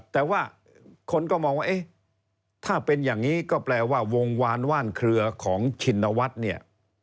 แต่ว่าคนก็มองว่าเอ๊ะถ้าเป็นอย่างนี้ก็แปลว่าวงวานว่านเครือของชินวัฒน์เนี่ย